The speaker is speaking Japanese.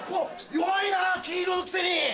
弱いな金色のくせに！